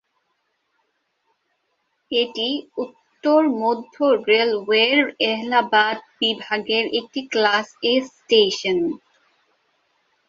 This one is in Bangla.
এটি উত্তর মধ্য রেলওয়ের এলাহাবাদ বিভাগের একটি ক্লাস এ স্টেশন।